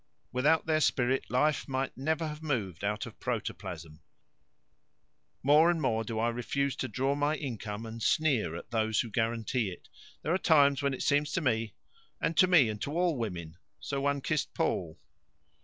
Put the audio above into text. Without their spirit life might never have moved out of protoplasm. More and more do I refuse to draw my income and sneer at those who guarantee it. There are times when it seems to me " "And to me, and to all women. So one kissed Paul."